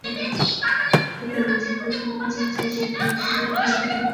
ছিটমহল প্রশ্নে তাঁর আগের ভূমিকা পরিবর্তনের জন্য মমতা বন্দ্যোপাধ্যায়কে ধন্যবাদ জানাতে হয়।